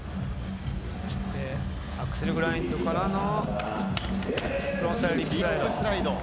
アクセルグラインドからのフロントサイドリップスライド。